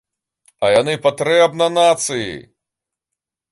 А яны патрэбна нацыі.